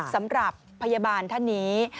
สำหรับพยาบาลท่านนี้